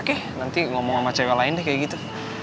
oke nanti ngomong sama cewek lain deh kayak gitu